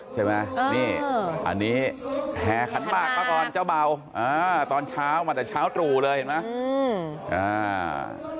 ใช่ไหมนี่อันนี้แห่ขันหมากมาก่อนเจ้าเบาอ่าตอนเช้ามาแต่เช้าตรู่เลยเห็นไหม